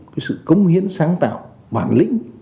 cái sự công hiến sáng tạo bản lĩnh